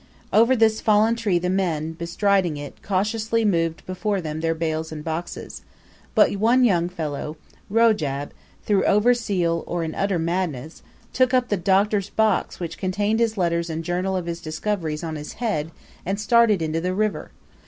Over this fallen tree the men, bestriding it, cautiously moved before them their bales and boxes; but one young fellow, Rojab through over zeal, or in sheer madness took up the Doctor's box which contained his letters and Journal of his discoveries on his head, and started into the river.